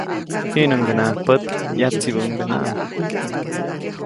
Jiʼnuŋdenaʼajk pät, yatsibäʼuŋdenaʼajk.